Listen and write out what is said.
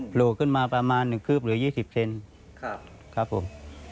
หลวงขึ้นมาประมาณ๑คืบหรือ๒๐เซนติเซนครับผม